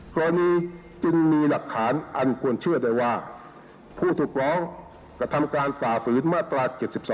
กรณีจึงมีหลักฐานอันควรเชื่อได้ว่าผู้ถูกร้องกระทำการฝ่าฝืนมาตรา๗๒